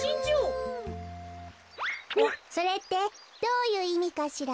それってどういういみかしら？